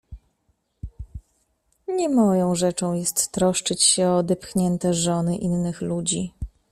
— Nie moją rzeczą jest troszczyć się o odepchnięte żony innych ludzi.